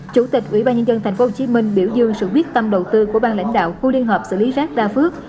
chủ tịch ủy ban nhân dân tp hcm biểu dương sự quyết tâm đầu tư của bang lãnh đạo khu liên hợp xử lý rác đa phước